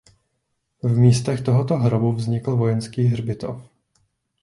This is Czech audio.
V místech tohoto hrobu vznikl vojenský hřbitov.